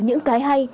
những cái hay